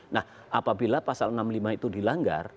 nah apabila pasal enam puluh lima itu dilanggar